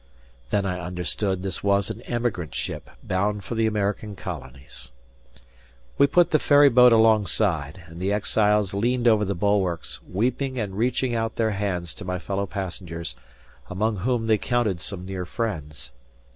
Then I understood this was an emigrant ship bound for the American colonies. We put the ferry boat alongside, and the exiles leaned over the bulwarks, weeping and reaching out their hands to my fellow passengers, among whom they counted some near friends.